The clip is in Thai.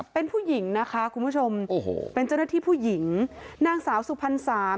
เป็นผู้หญิงนะคะคุณผู้ชมโอ้โหเป็นเจ้าหน้าที่ผู้หญิงนางสาวสุพรรณสาม